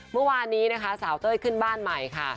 เมื่อวานนี้นะคะสาวเต้ยขึ้นบ้านใหม่ค่ะ